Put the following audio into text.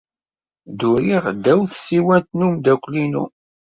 Dduriɣ ddaw tsiwant n umeddakel-inu.